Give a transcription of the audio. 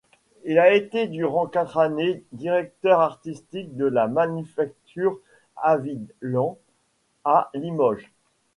Il a été durant quatre années directeur artistique de la manufacture Haviland, à Limoges.